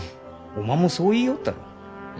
おまんもそう言いよったろう？